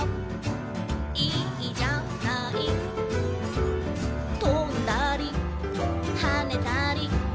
「いいじゃない」「とんだりはねたり」